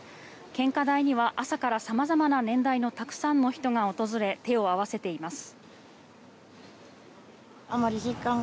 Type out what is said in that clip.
献花台には朝から様々な年代のたくさんの人が訪れ手を合わせています。